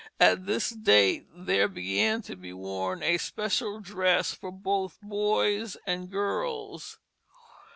At this date there began to be worn a special dress for both boys and girls.